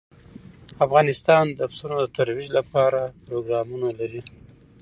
افغانستان د پسونو د ترویج لپاره پروګرامونه لري.